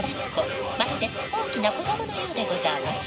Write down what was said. まるで大きな子供のようでござあます。